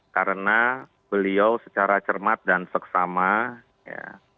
karena beliau secara cermat dan seksama ya